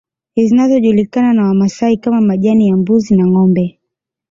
Zinazojulikana na Wamasai kama majani ya mbuzi na ngombe